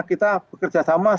kita bekerja sama semua